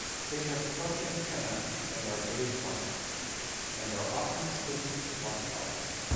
They have clubbed antennae and are day flying, and are often mistaken for butterflies.